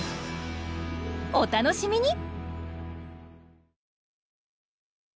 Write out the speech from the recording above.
お楽しみに！